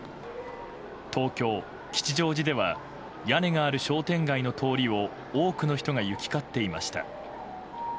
東京・吉祥寺では屋根がある商店街の通りを多くの人が行き交っていました。